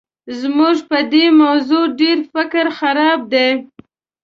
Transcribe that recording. زموږ په دې موضوع ډېر فکر خراب دی.